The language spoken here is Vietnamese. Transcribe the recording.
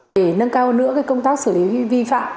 để nâng cao nữa công tác xử lý vi phạm